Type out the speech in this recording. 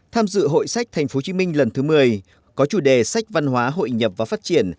tham dự hội sách tp hcm lần thứ một mươi có chủ đề sách văn hóa hội nhập và phát triển